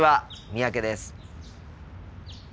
三宅です。